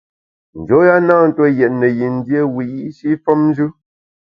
Njoya na ntue yètne yin dié wiyi’shi femnjù.